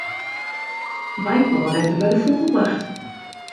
Wy wolle letter by de fûgelwacht.